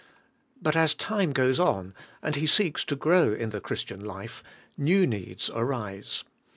67 But as time goes on, and he seeks to grow in the Christian life, new needs arise.